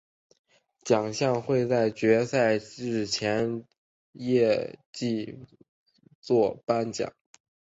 奖项会在决赛日前的夜祭作颁奖。